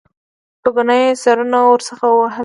په ګناه یې سرونه ورڅخه وهل.